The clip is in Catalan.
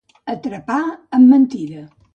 Atrapar amb mentida.